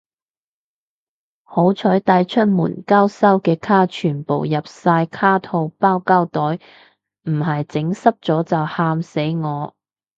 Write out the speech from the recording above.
好彩帶出門交收嘅卡全部入晒卡套包膠袋，唔係整濕咗就喊死我